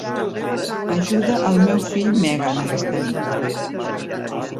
Ajuda el meu fill Megan aquesta nit.